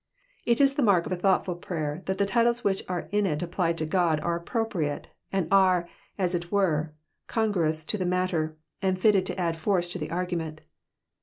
It is the mark of a thoughtful prayer that the titles which are in it applied to God are appropriate, and are, as it were, congruous to the matter, and fitted to add force to the argument.